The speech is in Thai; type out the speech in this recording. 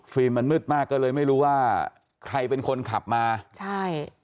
มันมืดมากก็เลยไม่รู้ว่าใครเป็นคนขับมาใช่